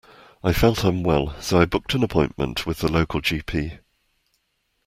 I felt unwell so I booked an appointment with the local G P.